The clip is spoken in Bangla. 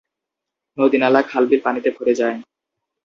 নদীনালা, খালবিল পানিতে ভরে যায়।